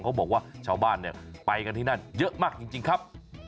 เขาบอกว่าชาวบ้านเนี่ยไปกันที่นั่นเยอะมากจริงครับ